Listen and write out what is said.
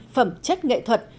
phẩm chất nghệ thuật